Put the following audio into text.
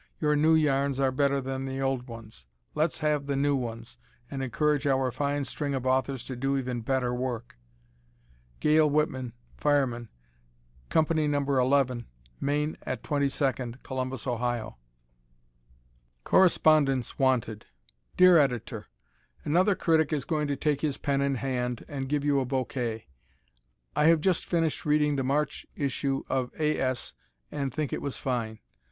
Your new yarns are better than the old ones. Let's have the new ones, and encourage our fine string of authors to do even better work. Gayl Whitman, Fireman, Co. No. 11, Main at 22nd, Columbus, Ohio. Correspondents Wanted Dear Editor: Another critic is going to take his pen in hand and give you a bouquet. I have just finished reading the March issue of A. S. and think it was fine.